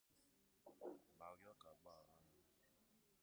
ma rịọ ka a gbaghàra ha